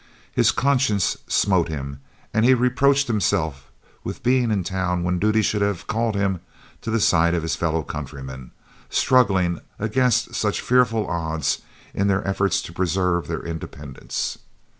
His conscience smote him and he reproached himself with being in town when duty should have called him to the side of his fellow countrymen, struggling against such fearful odds in their efforts to preserve their independence.